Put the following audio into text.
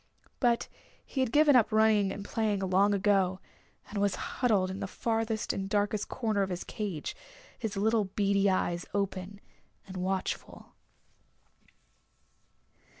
But he had given up running and playing long ago, and was huddled in the farthest and darkest corner of his cage, his little beady eyes open and watchful.